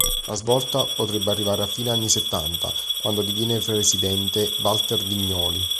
La svolta potrebbe arrivare a fine anni settanta quando diviene presidente Walter Vignoli.